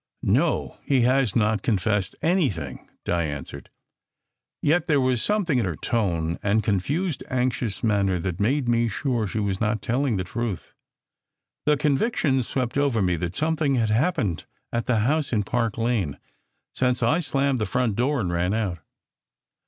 "No, he has not confessed anything," Di answered. Yet there was something in her tone and confused, anxious manner that made me sure she was not telling the truth. The conviction swept over me that something had hap pened at the house in Park Lane since I slammed the front door and ran out.